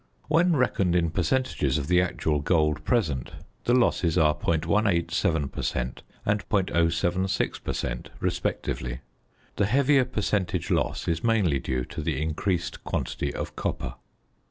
When reckoned in percentages of the actual gold present the losses are .187 per cent. and .076 per cent. respectively. The heavier percentage loss is mainly due to the increased quantity of copper.